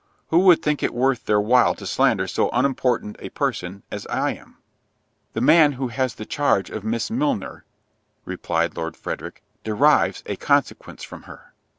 Who would think it worth their while to slander so unimportant a person as I am?" "The man who has the charge of Miss Milner," replied Lord Frederick, "derives a consequence from her."